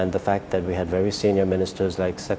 dan faktanya kami memiliki para pemimpin yang sangat senior